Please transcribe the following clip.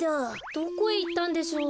どこへいったんでしょう？